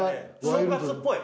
正月っぽい？